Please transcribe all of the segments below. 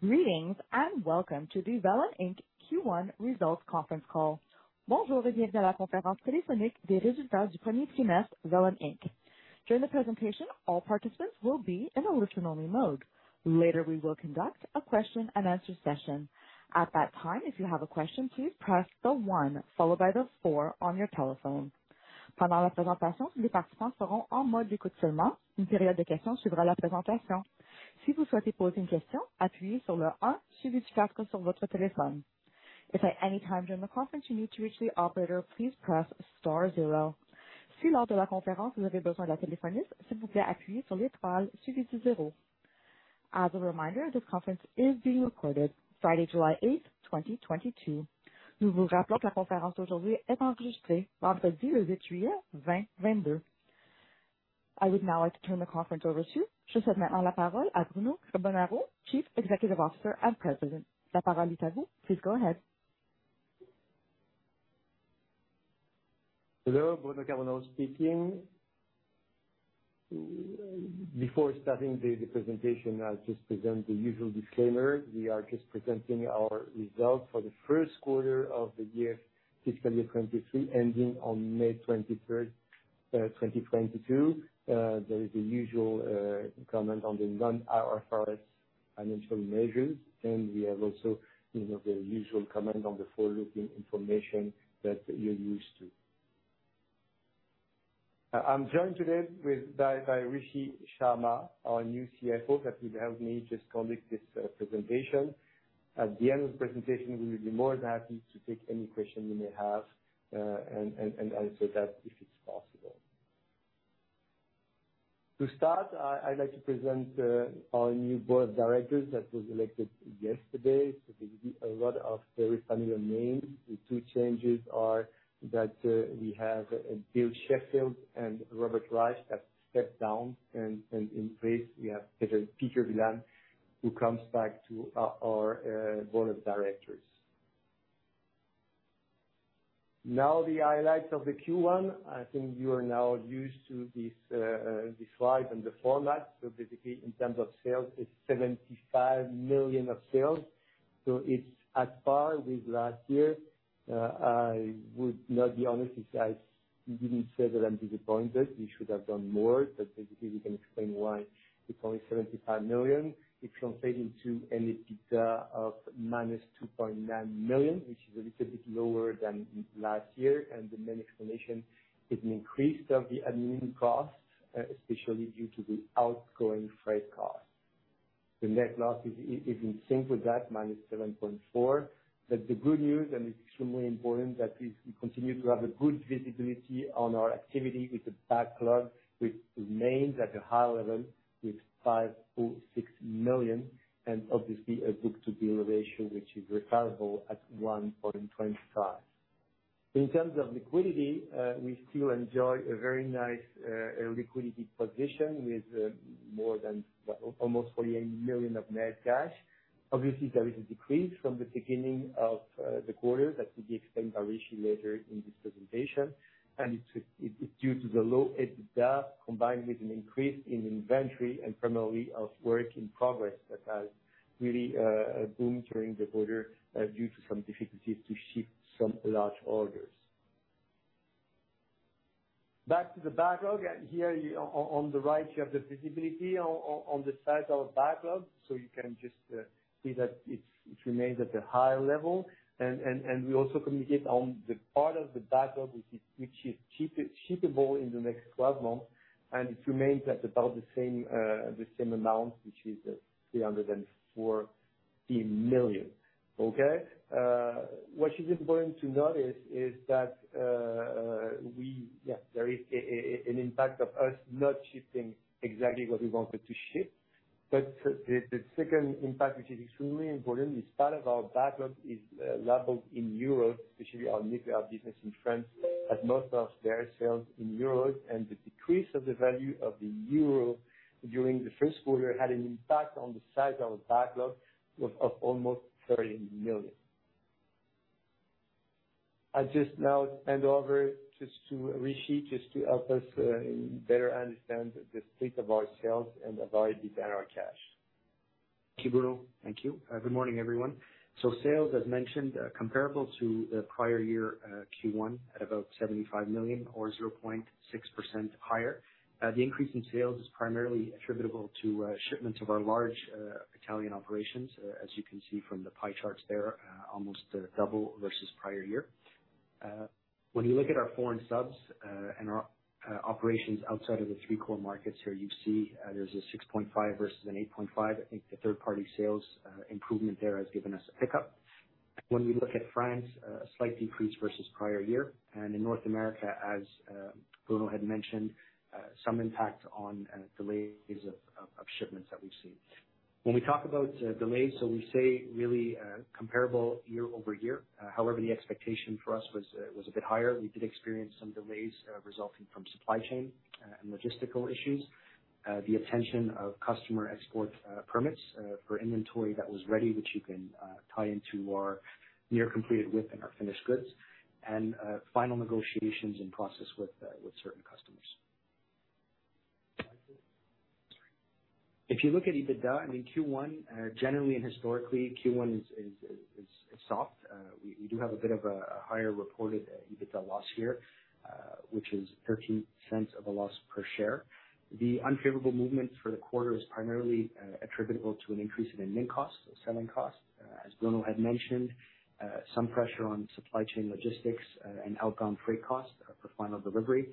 Greetings, and welcome to the Velan Inc. Q1 results conference call. During the presentation, all participants will be in a listen-only mode. Later, we will conduct a question and answer session. At that time, if you have a question, please press the one followed by the four on your telephone. If at any time during the conference you need to reach the operator, please press star zero. As a reminder, this conference is being recorded, Friday, July eighth, 2022. I would now like to turn the conference over to Bruno Carbonaro, Chief Executive Officer and President. Please go ahead. Hello, Bruno Carbonaro speaking. Before starting the presentation, I'll just present the usual disclaimer. We are just presenting our results for the first quarter of the year, fiscal year 2023, ending on May 23, 2022. There is the usual comment on the non-IFRS financial measures, and we have also, you know, the usual comment on the forward-looking information that you're used to. I'm joined today by Rishi Sharma, our new CFO, that will help me just conduct this presentation. At the end of the presentation, we will be more than happy to take any question you may have, and answer that if it's possible. To start, I'd like to present our new board of directors that was elected yesterday. There will be a lot of very familiar names. The two changes are that we have Bill Sheffield and Robert Reich have stepped down and in place we have Peter Velan who comes back to our board of directors. Now the highlights of the Q1. I think you are now used to this, the slide and the format. Basically in terms of sales, it's 75 million of sales, so it's at par with last year. I would not be honest if I didn't say that I'm disappointed. We should have done more, but basically we can explain why it's only 75 million. It translated to an EBITDA of -2.9 million, which is a little bit lower than last year. The main explanation is an increase of the admin costs, especially due to the ongoing freight costs. The net loss is in sync with that, -7.4%. The good news, and it's extremely important, that we continue to have a good visibility on our activity with the backlog, which remains at a high level with 5.6 million, and obviously a book-to-bill ratio which is remarkable at 1.25. In terms of liquidity, we still enjoy a very nice liquidity position with more than almost 48 million of net cash. Obviously, there is a decrease from the beginning of the quarter that will be explained by Rishi later in this presentation. It's due to the low EBITDA combined with an increase in inventory and primarily of work in progress that has really boomed during the quarter due to some difficulties to ship some large orders. Back to the backlog. Here on the right you have the visibility on the size of backlog. You can just see that it remains at a high level. We also communicate on the part of the backlog which is shippable in the next twelve months. It remains at about the same amount, which is 314 million. What is important to notice is that there is an impact of us not shipping exactly what we wanted to ship. The second impact, which is extremely important, is part of our backlog is labeled in euro, especially our nuclear business in France, as most of their sales in euros. The decrease of the value of the euro during the first quarter had an impact on the size of backlog of almost 30 million. I just now hand over just to Rishi just to help us better understand the state of our sales and the value behind our cash. Thank you, Bruno. Thank you. Good morning, everyone. Sales, as mentioned, comparable to the prior year, Q1 at about 75 million or 0.6% higher. The increase in sales is primarily attributable to shipments of our large Italian operations, as you can see from the pie charts there, almost double versus prior year. When you look at our foreign subs and our operations outside of the three core markets here, you see, there's a 6.5% versus an 8.5%. I think the third party sales improvement there has given us a pickup. When we look at France, a slight decrease versus prior year. In North America, as Bruno had mentioned, some impact on delays of shipments that we've seen. When we talk about delays, so we say really comparable year-over-year. However, the expectation for us was a bit higher. We did experience some delays resulting from supply chain and logistical issues. The attainment of customer export permits for inventory that was ready, which you can tie into our near completed WIP and our finished goods. Final negotiations and process with certain customers. If you look at EBITDA in Q1, generally and historically, Q1 is soft. We do have a bit of a higher reported EBITDA loss here, which is 0.13 of a loss per share. The unfavorable movement for the quarter is primarily attributable to an increase in admin costs, selling costs. As Bruno Carbonaro had mentioned, some pressure on supply chain logistics and outbound freight costs for final delivery,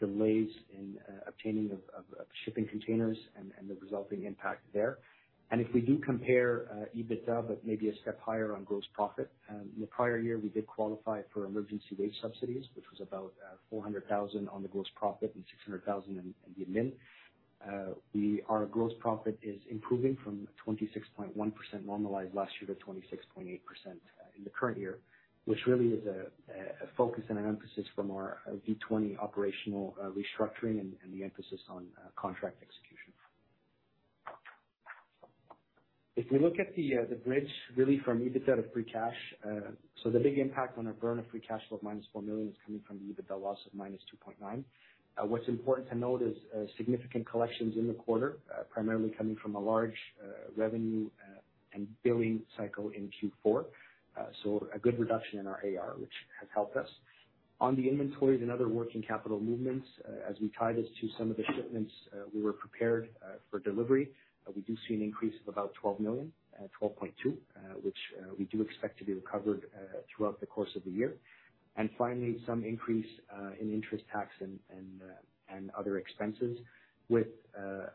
delays in obtaining of shipping containers and the resulting impact there. If we do compare EBITDA, but maybe a step higher on gross profit, in the prior year, we did qualify for emergency wage subsidies, which was about 400,000 on the gross profit and 600,000 in the admin. Our gross profit is improving from 26.1% normalized last year to 26.8% in the current year, which really is a focus and an emphasis from our V20 operational restructuring and the emphasis on contract execution. If we look at the bridge really from EBITDA to free cash, the big impact on our burn of free cash flow of -4 million is coming from the EBITDA loss of -2.9 million. What's important to note is significant collections in the quarter, primarily coming from a large revenue and billing cycle in Q4. A good reduction in our AR, which has helped us. On the inventories and other working capital movements, as we tie this to some of the shipments, we were prepared for delivery, we do see an increase of about 12 million, 12.2, which we do expect to be recovered throughout the course of the year. Finally, some increase in interest, tax, and other expenses with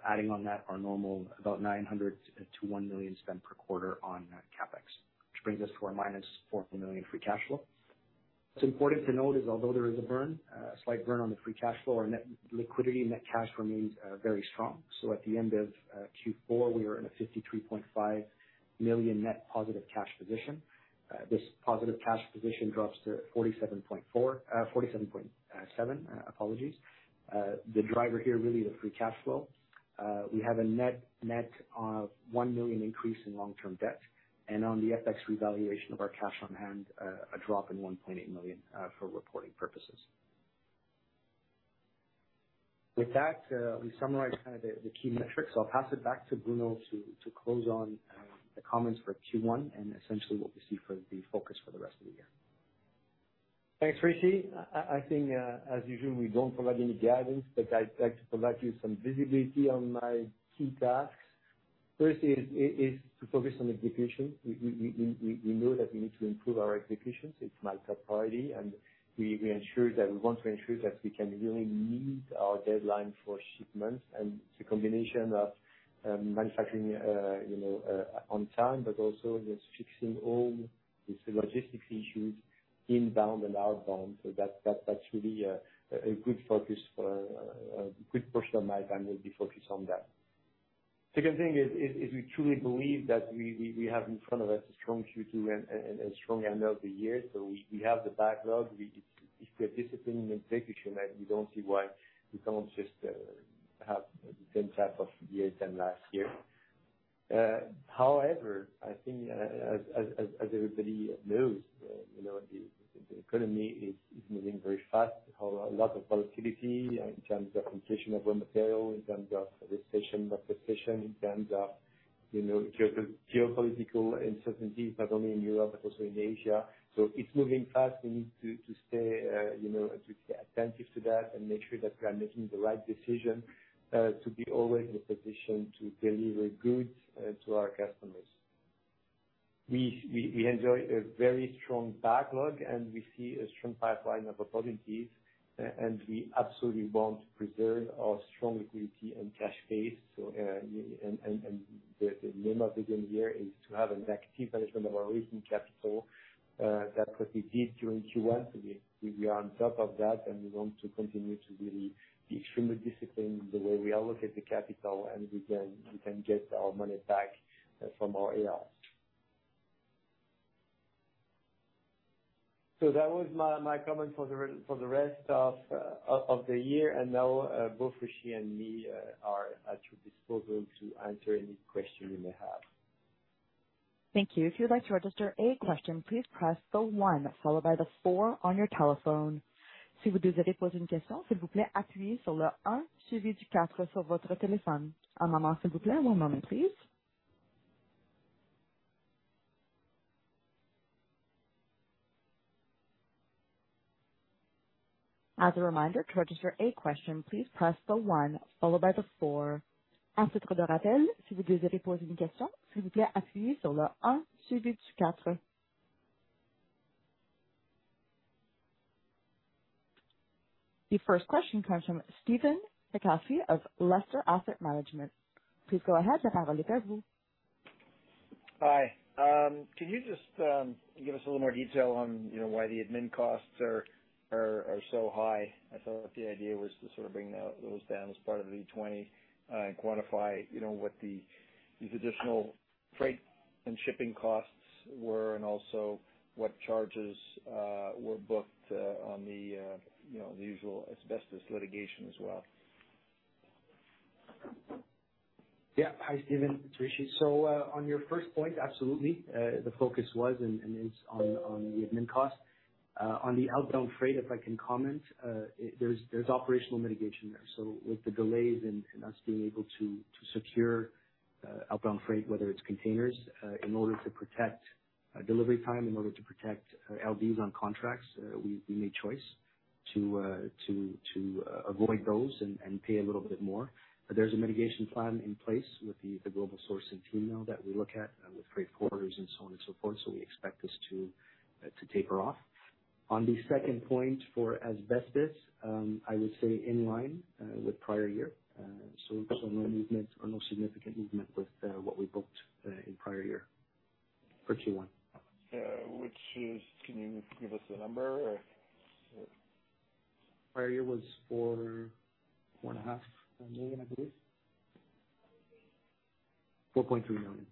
adding on that our normal about 900,000 to 1 million spent per quarter on CapEx, which brings us to our -4 million free cash flow. It's important to note, although there is a slight burn on the free cash flow, our net liquidity and net cash remains very strong. At the end of Q4, we were in a 53.5 million net positive cash position. This positive cash position drops to 47.7 million. Apologies. The driver here really the free cash flow. We have a net 1 million increase in long-term debt. On the FX revaluation of our cash on hand, a drop in 1.8 million for reporting purposes. With that, we summarized kind of the key metrics. I'll pass it back to Bruno to close on the comments for Q1 and essentially what we see for the focus for the rest of the year. Thanks, Rishi. I think, as usual, we don't provide any guidance, but I'd like to provide you some visibility on my key tasks. First is to focus on execution. We know that we need to improve our execution. It's my top priority, and we want to ensure that we can really meet our deadline for shipments and the combination of manufacturing, you know, on time, but also just fixing all the logistics issues inbound and outbound. So that's really a good focus for a good portion of my time will be focused on that. Second thing is we truly believe that we have in front of us a strong Q2 and a strong end of the year. So we have the backlog. If we are disciplined in execution, we don't see why we can't just have the same type of year than last year. However, I think as everybody knows, you know, the economy is moving very fast, a lot of volatility in terms of competition of raw material, in terms of recession, in terms of, you know, geopolitical uncertainties, not only in Europe, but also in Asia. It's moving fast. We need to stay attentive to that and make sure that we are making the right decision to be always in a position to deliver goods to our customers. We enjoy a very strong backlog, and we see a strong pipeline of opportunities, and we absolutely want to preserve our strong liquidity and cash base. The name of the game here is to have an active management of our working capital. That's what we did during Q1. We are on top of that, and we want to continue to really be extremely disciplined the way we allocate the capital, and we can get our money back from our AR. That was my comment for the rest of the year. Now, both Rishi and me are at your disposal to answer any question you may have. Thank you. If you'd like to register a question, please press the one followed by the four on your telephone. Si vous désirez poser une question, s'il vous plaît appuyez sur le un suivi du quatre sur votre téléphone. Un moment s'il vous plaît. One moment please. As a reminder, to register a question, please press the one followed by the four. A titre de rappel, si vous désirez poser une question, s'il vous plaît appuyez sur le un suivi du quatre. The first question comes from Stephen Takacsy of Lester Asset Management. Please go ahead. Je passe la ligne à vous. Hi. Can you just give us a little more detail on, you know, why the admin costs are so high? I thought the idea was to sort of bring those down as part of the 20, and quantify, you know, what the additional freight and shipping costs were and also what charges were booked on, you know, the usual asbestos litigation as well. Yeah. Hi, Stephen. It's Rishi. On your first point, absolutely, the focus was and is on the admin costs. On the outbound freight, if I can comment, there's operational mitigation there. With the delays and us being able to secure outbound freight, whether it's containers, in order to protect delivery time, in order to protect our LDs on contracts, we made choice to avoid those and pay a little bit more. There's a mitigation plan in place with the global sourcing team now that we look at and with freight forwarders and so on and so forth, so we expect this to taper off. On the second point for asbestos, I would say in line with prior year. No movement or no significant movement with what we booked in prior year for Q1. Can you give us a number or? Prior year was 4.5 million, I believe. 4.3 million.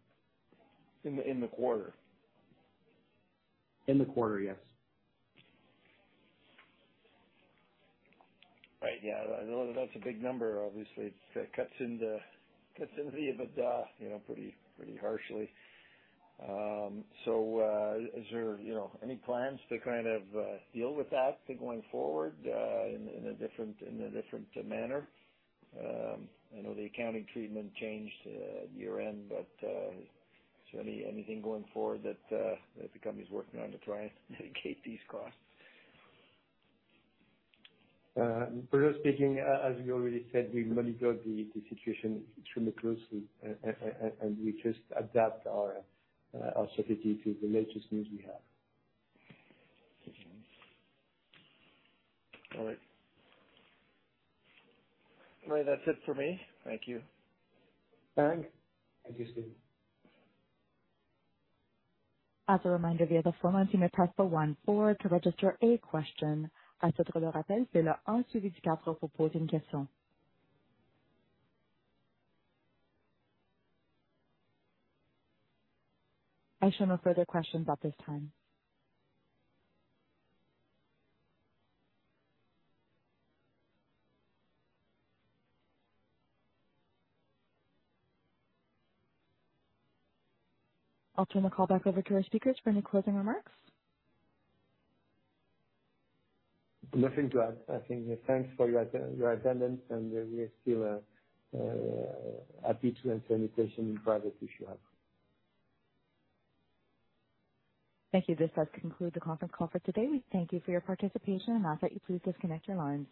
In the quarter? In the quarter, yes. Right. Yeah, that's a big number obviously that cuts into the EBITDA, you know, pretty harshly. Is there any plans to kind of deal with that going forward in a different manner? I know the accounting treatment changed year end, but is there anything going forward that the company's working on to try and mitigate these costs? Bruno speaking. As we already said, we monitor the situation extremely closely, and we just adapt our strategy to the latest news we have. All right. Well, that's it for me. Thank you. Thanks. Thank you, Stephen. As a reminder, via the phone, you may press star one to register a question. I show no further questions at this time. I'll turn the call back over to our speakers for any closing remarks. Nothing to add. I think, thanks for your attendance, and we are still happy to entertain any questions in private if you have. Thank you. This does conclude the conference call for today. We thank you for your participation and ask that you please disconnect your lines.